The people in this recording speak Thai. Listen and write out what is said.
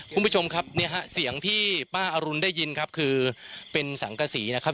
คุณผู้ชมครับเนี่ยฮะเสียงที่ป้าอรุณได้ยินครับคือเป็นสังกษีนะครับ